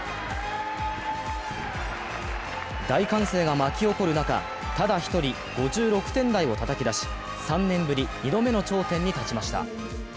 大歓声が巻き起こる中、ただ１人、５６点台をたたき出し３年ぶり２度目の頂点に立ちました。